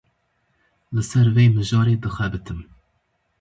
Li ser wê mijarê dixebitim.